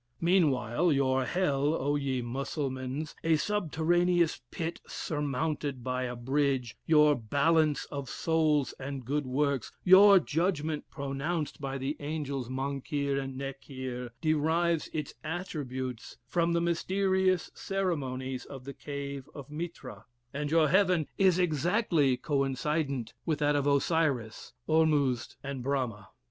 Meanwhile your hell, O ye Musselmans! a subterraneous pit surmounted by a bridge, your balance of souls and good works, your judgment pronounced by the angels Monkir and Nekir, derives its attributes from the mysterious ceremonies of the cave of Mithra; and your heaven is exactly coincident with that of Osiris, Ormuzd, and Brama."....